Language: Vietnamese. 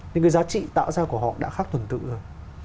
nhưng cái giá trị tạo ra của họ đã khác tuần tự rồi